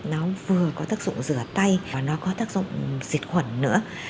nó vừa có tác dụng rửa tay và nó có tác dụng diệt khuẩn nữa